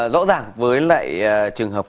rõ ràng với lại trường hợp